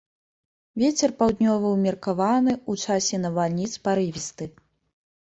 Вецер паўднёвы ўмеркаваны, у часе навальніц парывісты.